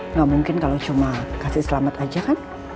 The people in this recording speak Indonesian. nggak mungkin kalau cuma kasih selamat aja kan